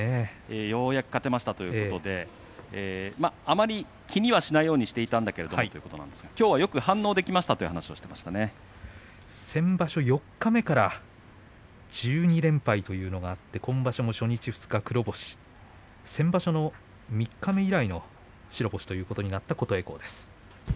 ようやく勝てましたということで、あまり気にはしないようにしていたんだけれどもということですが、きょうはよく反応先場所、四日目から１２連敗というのがあって今場所も初日、二日黒星先場所の三日目以来の白星ということになった琴恵光です。